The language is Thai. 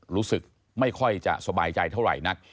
รู้สึกไม่ค่อยจะสบายใจเท่าไหร่นัก